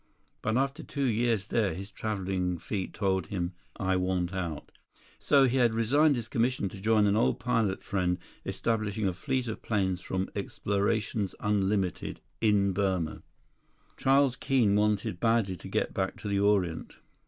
But after two years there, his traveling feet told him, "I want out." So he had resigned his commission to join an old pilot friend establishing a fleet of planes for Explorations Unlimited, in Burma. Charles Keene wanted badly to get back to the Orient.